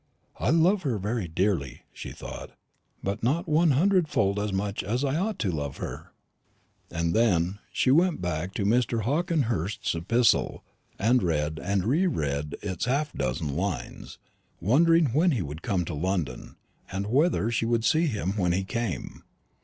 "I love her very dearly," she thought, "but not one hundred fold as much as I ought to love her." And then she went back to Mr. Hawkehurst's epistle, and read and re read its half dozen lines, wondering when he would come to London, and whether she would see him when he came.